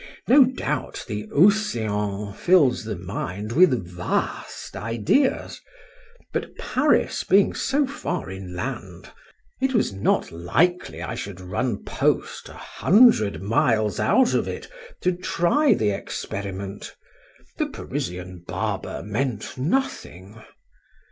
No doubt, the ocean fills the mind with vast ideas; but Paris being so far inland, it was not likely I should run post a hundred miles out of it, to try the experiment;—the Parisian barber meant nothing.